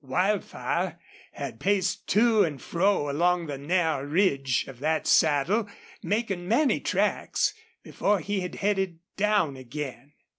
Wildfire had paced to and fro along the narrow ridge of that saddle, making many tracks, before he had headed down again.